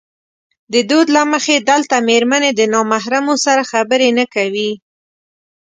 د دود له مخې دلته مېرمنې د نامحرمو سره خبرې نه کوي.